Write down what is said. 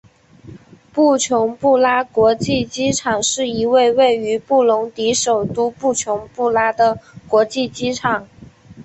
布琼布拉国际机场是一位位于布隆迪首都布琼布拉的国际机场。